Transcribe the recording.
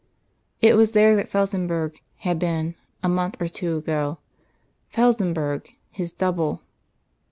It was there that Felsenburgh had been, a month or two ago Felsenburgh, his double!